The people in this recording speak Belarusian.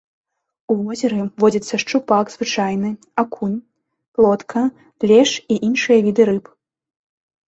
У возеры водзяцца шчупак звычайны, акунь, плотка, лешч і іншыя віды рыб.